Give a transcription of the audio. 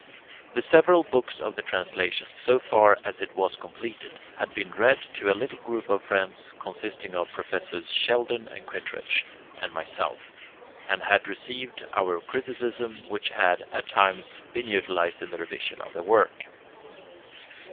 The several books of the translation, so far as it was completed, had been read to a little group of friends, consisting of Professors Sheldon and Kittredge, and myself, and had received our criticism, which had, at times, been utilized in the revision of the work.